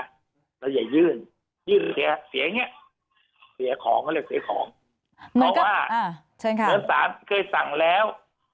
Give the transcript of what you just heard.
เราอย่ายื่นยื่นเสียเสียงเนี้ยเสียของเขาเรียกเสียของเพราะว่าเหมือนสารเคยสั่งแล้ว